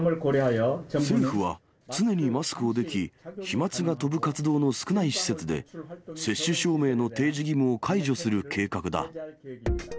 政府は常にマスクをでき、飛まつが飛ぶ活動の少ない施設で、接種証明の提示義務を解除する計画だ。